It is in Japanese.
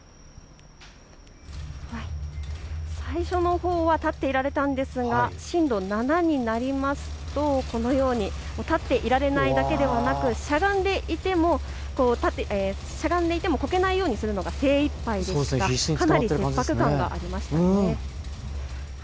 最初のほうは立っていられたんですが震度７になるとこのように立っていられないだけではなく、しゃがんでいてもこけないようにするのが精いっぱいでかなり切迫感がありました。